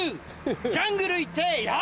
ジャングル行ってヤァ！